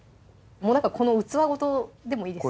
もうなんかこの器ごとでもいいです